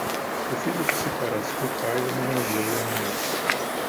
O filho que se parece com o pai homenageia a mãe.